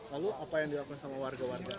lalu apa yang dilakukan sama warga warga